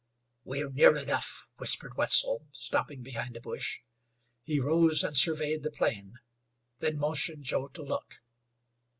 "We're near enough," whispered Wetzel, stopping behind a bush. He rose and surveyed the plain; then motioned Joe to look.